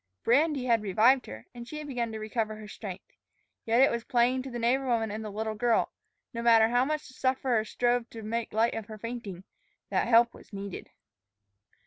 Brandy had revived her, and she had begun to recover her strength. Yet it was plain to the neighbor woman and the little girl, no matter how much the sufferer strove to make light of her fainting, that help was needed.